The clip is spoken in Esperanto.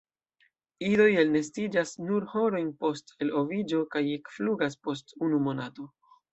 Idoj elnestiĝas nur horojn post eloviĝo kaj ekflugas post unu monato.